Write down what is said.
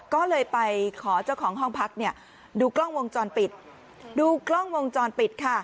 ก็เลยไปขอเจ้าของห้องพักดูกล้องวงจรปิด